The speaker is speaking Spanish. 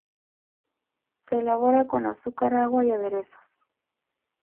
Se elabora con azúcar, agua y aderezos.